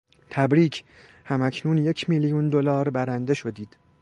تبریک! هم اکنون یک میلیون دلار برنده شدید!